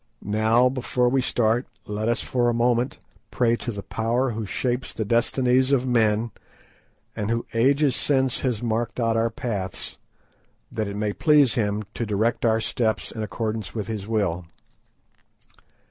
Now before we start let us for a moment pray to the Power who shapes the destinies of men, and who ages since has marked out our paths, that it may please Him to direct our steps in accordance with His will."